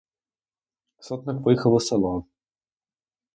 Сотник поїхав у село.